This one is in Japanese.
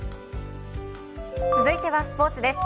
続いてはスポーツです。